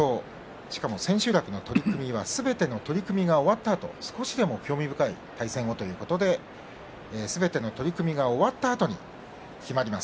しかも千秋楽の取組はすべての取組が終わったあと少しでも興味深い対戦をということですべての取組が終わったあとに決まります。